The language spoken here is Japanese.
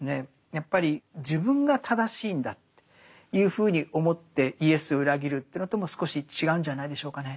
やっぱり自分が正しいんだというふうに思ってイエスを裏切るというのとも少し違うんじゃないでしょうかね。